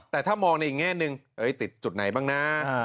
แต่ถ้ามองในอีกแง่นึงเอ๋ยติดจุดไหนบ้างน่ะอ่า